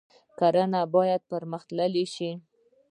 کرنه باید پرمختللې شي